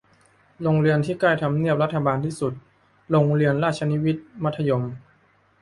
โรงเรียนที่ใกล้ทำเนียบรัฐบาลที่สุด - โรงเรียนราชวินิต มัธยม